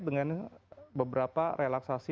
dengan beberapa relaksasi